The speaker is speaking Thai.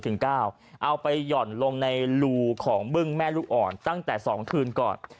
เอาไปหย่อนลงในรูของบึ้งแม่ลูกอ่อนตั้งแต่๒คืนก่อน